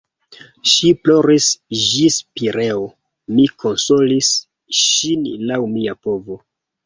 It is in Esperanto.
Ŝi ploris ĝis Pireo, mi konsolis ŝin laŭ mia povo.